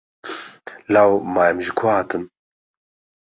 Law me em ji ku hatin?